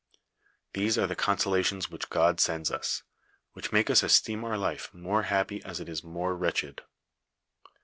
These are the consolations which God sends us, which make us esteem our life more happy as it is more wretched.